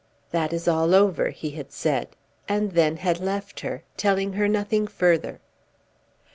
"That is all over," he had said, and then had left her, telling her nothing further.